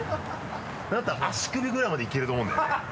だったら足首ぐらいまでいけると思うんだよね。